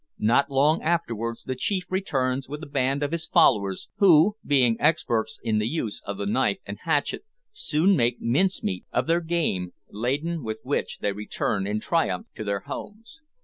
Not long afterwards the chief returns with a band of his followers, who, being experts in the use of the knife and hatchet, soon make mince meat of their game laden with which they return in triumph to their homes.